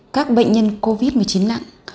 các bệnh nhân covid một mươi chín nặng